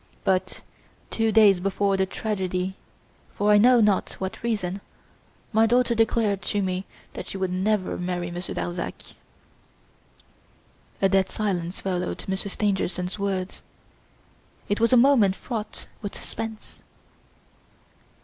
But, two days before the tragedy, for I know not what reason, my daughter declared to me that she would never marry Monsieur Darzac." A dead silence followed Monsieur Stangerson's words. It was a moment fraught with suspense.